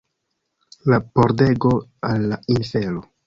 La pordego al la infero